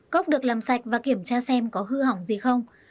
cốc được làm sạch và kiểm tra xem có hư hỏng gì không